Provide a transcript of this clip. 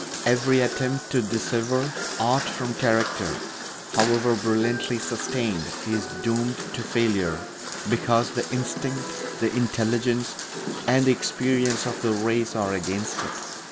Every attempt to dissever art from character, however brilliantly sustained, is doomed to failure because the instinct, the intelligence, and the experience of the race are against it.